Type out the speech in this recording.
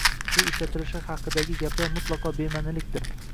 suv ishlatilishi haqidagi gaplar mutlaqo bema’nilikdir.